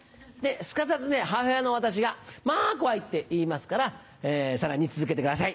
すかさず母親の私が「まぁ怖い」って言いますからさらに続けてください。